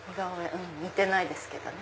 似てないですけどね。